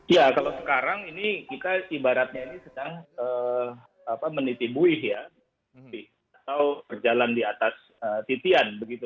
ya kalau sekarang ini kita ibaratnya ini sedang menitibuih ya atau berjalan di atas titian begitu